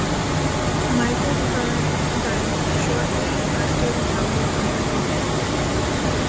Michael Current died shortly after the founding of the group.